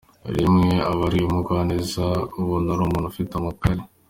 Rimwe aba ari umugwaneza, ubuntu ari umuntu ufite amakare.